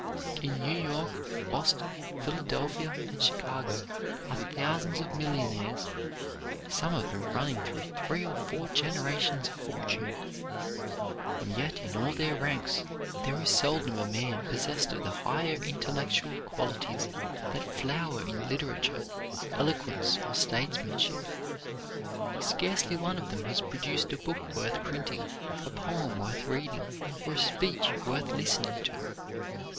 In New York, Boston, Philadelphia, and Chicago are thousands of millionaires, some of them running through three or four generations of fortune; and yet, in all their ranks, there is seldom a man possessed of the higher intellectual qualities that flower in literature, eloquence, or statesmanship. Scarcely one of them has produced a book worth printing, a poem worth reading, or a speech worth listening to.